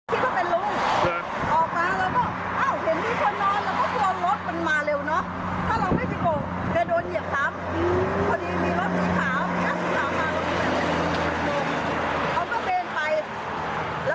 ก็เป็นลุงออกมาแล้วก็เอ้าเห็นมีคนนอนแล้วก็ครอบรถมันมาเร็ว